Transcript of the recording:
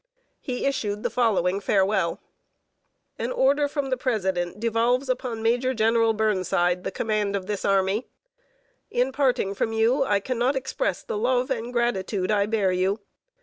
He issued the following farewell: "An order from the President devolves upon Major General Burnside the command of this army. In parting from you, I cannot express the love and gratitude I bear you.